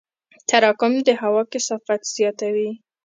تراکم د هوا کثافت زیاتوي.